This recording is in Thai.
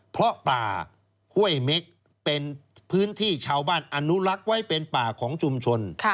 เพราะป่าห้วยเม็กเป็นพื้นที่ชาวบ้านอนุรักษ์ไว้เป็นป่าของชุมชน